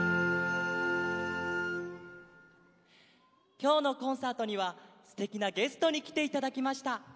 きょうのコンサートにはすてきなゲストにきていただきました。